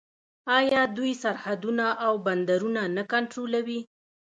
آیا دوی سرحدونه او بندرونه نه کنټرولوي؟